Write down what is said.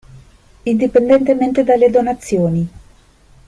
Indipendentemente dalle donazioni.